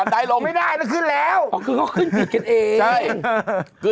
ขึ้นปิดกันเอง